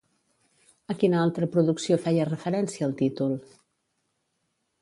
A quina altra producció feia referència el títol?